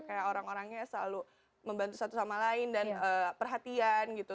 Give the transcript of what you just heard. kayak orang orangnya selalu membantu satu sama lain dan perhatian gitu